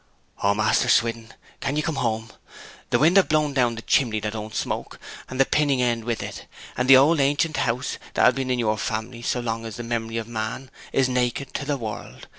'O Master Swithin, can ye come home! The wind have blowed down the chimley that don't smoke, and the pinning end with it; and the old ancient house, that have been in your family so long as the memory of man, is naked to the world!